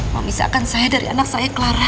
memisahkan saya dari anak saya kelara